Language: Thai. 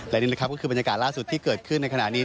และนี่นะครับก็คือบรรยากาศล่าสุดที่เกิดขึ้นในขณะนี้